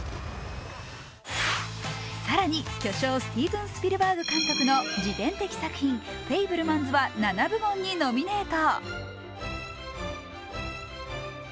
更に、巨匠、スティーヴン・スピルバーグ監督の自伝的作品「フェイブルマンズ」は７部門にノミネート。